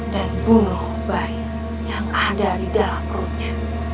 dan bunuh bayi yang ada di dalam perutnya